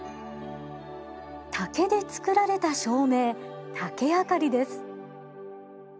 竹で作られた照明竹あかりです。